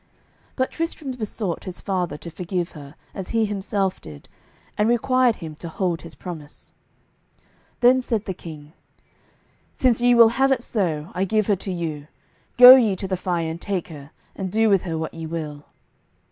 But Tristram besought his father to forgive her, as he himself did, and required him to hold his promise. Then said the king, "Since ye will have it so, I give her to you; go ye to the fire and take her, and do with her what ye will."